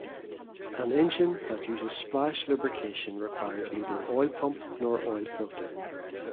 An engine that uses splash lubrication requires neither oil pump nor oil filter.